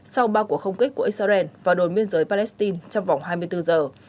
sau ba cuộc không kích của israel vào đồn biên giới palestine trong vòng hai mươi bốn giờ